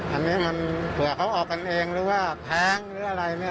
อันนี้มันเผื่อเขาออกกันเองหรือว่าแพงหรืออะไรเนี่ย